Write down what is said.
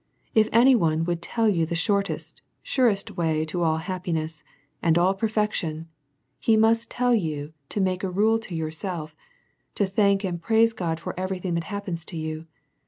If any one would tell you the shortest, surest way to all happiness, and all perfection, he must tell you to make it a rule to yourself, to thank and praise God for every thing that happens to you.